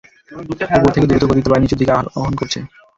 উপর থেকে দ্রুত গতিতে বায়ু নিচের দিকে আরোহণ করছে!